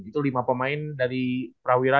itu lima pemain dari prawira